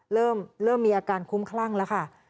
เริ่มมีอาการคุ้มคลั่งแล้วค่ะ